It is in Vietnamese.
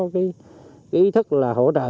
cái ý thức là hỗ trợ